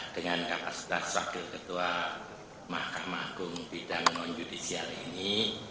dengan kapasitas wakil ketua mahkamah agung bidang non judisial ini